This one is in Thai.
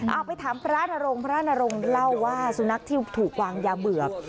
เอาไปถามพระนรงพระนรงค์เล่าว่าสุนัขที่ถูกวางยาเบื่อ